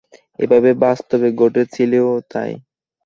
এভাবে বাস্তবে ঘটেছিলও তাই।